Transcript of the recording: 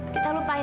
tidak amat baik